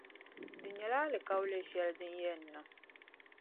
Di nyɛla alikauli shεli din yɛn niŋ.